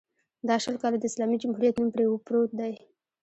دا شل کاله د اسلامي جمهوریت نوم پرې پروت دی.